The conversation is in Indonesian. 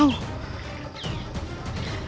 aku sudah itu